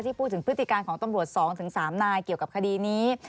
ที่พูดถึงพฤติการของตำรวจสองถึงสามนายเกี่ยวกับคดีนี้